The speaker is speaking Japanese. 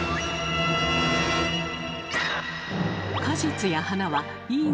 果実や花はいい